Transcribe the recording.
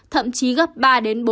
thậm chí gấp ba đến bốn